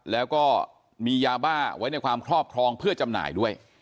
แล้วก็มียาบ้าไว้ในความครอบครองเพื่อจำหน่ายด้วย